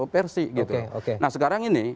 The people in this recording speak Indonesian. versi gitu nah sekarang ini